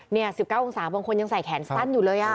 นี่๑๙องศาบางคนยังใส่แขนสั้นอยู่เลย